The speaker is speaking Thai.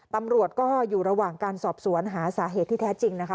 ตำรวจก็อยู่ระหว่างการสอบสวนหาสาเหตุที่แท้จริงนะคะ